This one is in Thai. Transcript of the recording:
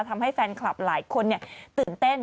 ทำให้แฟนคลับหลายคนตื่นเต้น